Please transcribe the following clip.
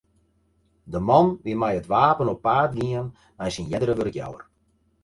De man wie mei it wapen op paad gien nei syn eardere wurkjouwer.